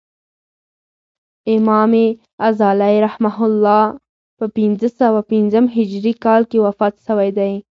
امام غزالی رحمة الله په پنځه سوه پنځم هجري کال کښي وفات سوی دئ.